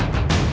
aku akan menang